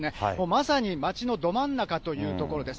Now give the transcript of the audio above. まさに街のど真ん中というところです。